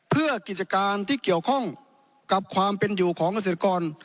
เพื่อกิจการที่เกี่ยวข้องกับความเป็นอยู่ของเกษตรกร